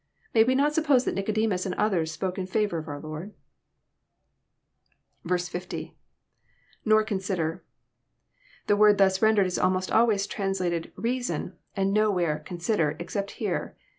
May we not suppose that Nicodemus and others spoke in &voar of our Lord? 50. — INor conMer.'] The word thus rendered is almost always translated " reason," and is nowhere " consider," except here.